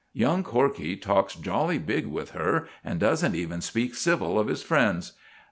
Young Corkey talks jolly big with her, and doesn't even speak civil of his friends.